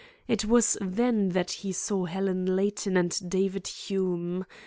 It was then that he saw Helen Layton and David Hume.